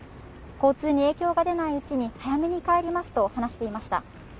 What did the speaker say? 交通に影響が出ないうちに、早めに帰りますと話していました。